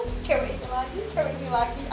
kena cemek lagi